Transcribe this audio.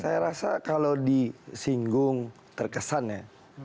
saya rasa kalau disinggung terkesan ya